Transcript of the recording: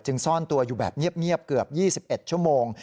ซ่อนตัวอยู่แบบเงียบเกือบ๒๑ชั่วโมง